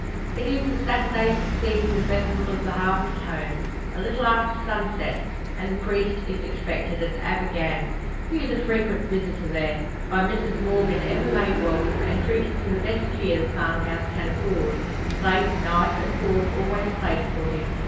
It is the Saturday succeeding the festival of the Harvest Home, a little after sunset, and the priest is expected at Abergann. He is a frequent visitor there; by Mrs Morgan ever made welcome, and treated to the best cheer the farm house can afford; plate, knife, and fork always placed for him.